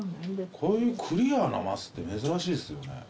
こういうクリアな升って珍しいですよね。